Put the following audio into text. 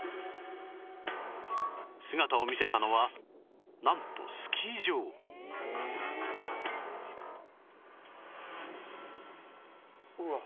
姿を見せたのはなんとうわっ。